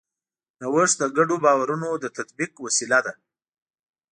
نوښت د ګډو باورونو د تطبیق وسیله ده.